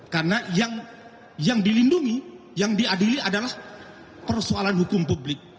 karena yang dilindungi yang diadili adalah persoalan hukum publik